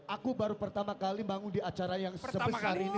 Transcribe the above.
aku baru pertama kali bangun di acara yang sebesar ini